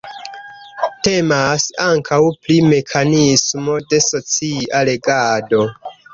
Temas ankaŭ pri mekanismo de socia regado.